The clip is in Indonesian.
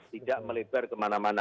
tidak melebar kemana mana